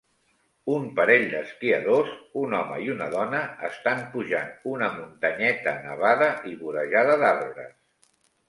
Un parell d'esquiadors, un home i una dona, estan pujant una muntanyeta nevada i vorejada d'arbres